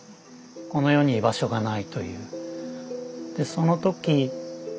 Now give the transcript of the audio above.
この世に居場所がないという。